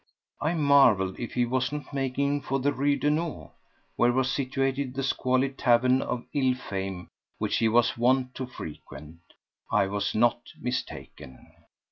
I marvelled if he was not making for the Rue Daunou, where was situated the squalid tavern of ill fame which he was wont to frequent. I was not mistaken.